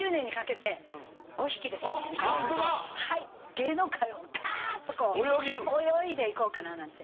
芸能界をカーッと泳いでいこうかななんて。